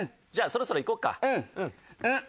じゃあそろそろ行こうか？